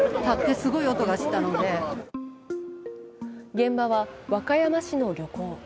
現場は和歌山市の漁港。